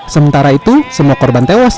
sementara itu semua korban tewas